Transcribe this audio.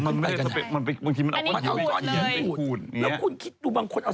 มันไปทำลายกับศิลิภาพของเขา